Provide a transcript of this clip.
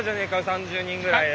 ３０人ぐらいよ。